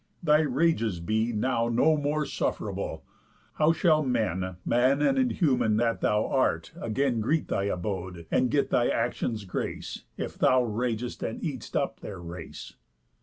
Thy rages be Now no more sufferable. How shall men, Mad and inhuman that thou art, again Greet thy abode, and get thy actions grace, If thus thou ragest, and eat'st up their race.